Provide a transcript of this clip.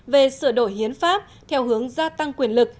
về sửa đổi hiến pháp theo hướng gia tăng quyền lực